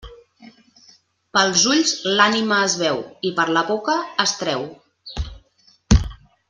Pels ulls l'ànima es veu, i per la boca es treu.